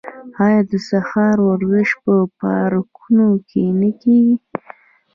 آیا د سهار ورزش په پارکونو کې نه کیږي؟